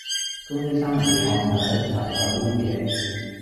公司三文治烘底，茶走，熱嘅